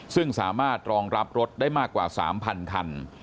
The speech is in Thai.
ซึ่งสามารถรองรับรถได้มากกว่า๓๐๐คัน